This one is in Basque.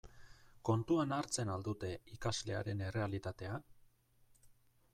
Kontuan hartzen al dute ikaslearen errealitatea?